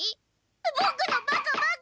ボクのバカバカ！